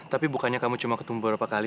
tapi bukannya kamu cuma ketumbuh berapa kali